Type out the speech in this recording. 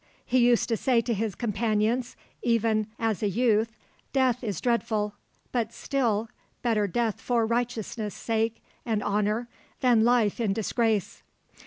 He used to say to his companions, even as a youth, "Death is dreadful, but still, better death for righteousness' sake and honour than life in disgrace."